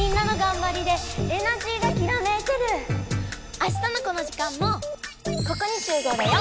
あしたのこの時間もここに集合だよ！